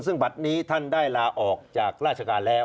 ซึ่งบัตรนี้ท่านได้ลาออกจากราชการแล้ว